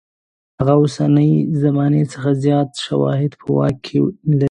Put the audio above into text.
هغه له اوسنۍ زمانې څخه زیات شواهد په واک کې لري.